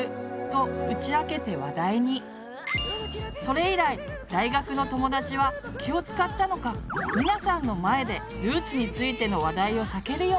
それ以来大学の友だちは気を遣ったのかミナさんの前でルーツについての話題を避けるようになった。